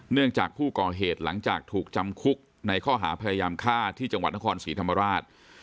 เนื่องจากผู้ก่อเหตุหลังจากถูกจำคุกในข้อหาพยายามฆ่าที่จังหวัดนครศรีธรรมราช